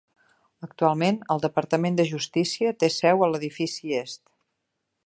Actualment, el Departament de Justícia té seu a l'edifici est.